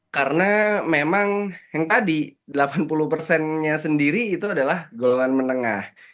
karena memang yang tadi delapan puluh nya sendiri itu adalah golongan menengah